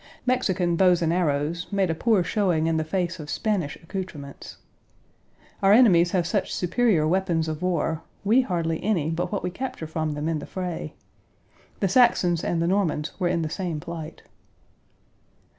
Mexican bows and arrows made a poor showing in the face of Spanish accoutrements. Our enemies have such superior weapons of war, we hardly any but what we capture from them in the fray. The Saxons and the Normans were in the same plight.